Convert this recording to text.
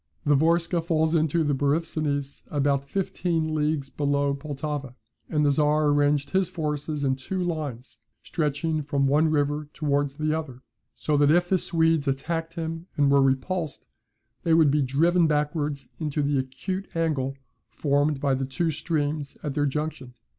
The Vorskla falls into the Borysthenes about fifteen leagues below Pultowa, and the Czar arranged his forces in two lines, stretching from one river towards the other; so that if the Swedes attacked him and were repulsed, they would be driven backwards into the acute angle formed by the two streams at their junction.